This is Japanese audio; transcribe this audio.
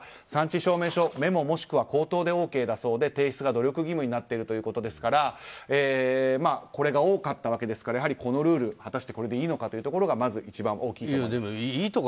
産地証明書メモ、もしくは口頭でＯＫだそうで提出が努力義務になっているということですからこれが多かったわけですからこのルール果たしてこれでいいのかというところが一番大きいと思います。